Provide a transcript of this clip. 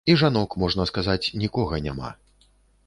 І жанок, можна сказаць, нікога няма.